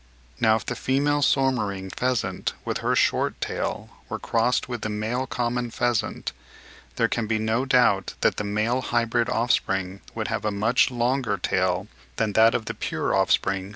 Now if the female Soemmerring pheasant with her SHORT tail were crossed with the male common pheasant, there can be no doubt that the male hybrid offspring would have a much LONGER tail than that of the pure offspring of the common pheasant.